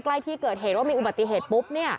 ใกล้ที่เกิดเหตุว่ามีอุบัติเหตุปุ๊บ